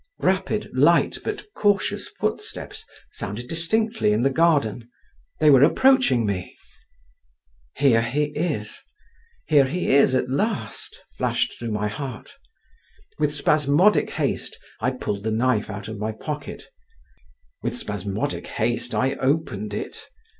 Rapid, light, but cautious footsteps sounded distinctly in the garden. They were approaching me. "Here he is … here he is, at last!" flashed through my heart. With spasmodic haste, I pulled the knife out of my pocket; with spasmodic haste, I opened it.